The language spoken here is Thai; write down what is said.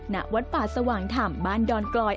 ณวัดป่าสว่างธรรมบ้านดอนกลอย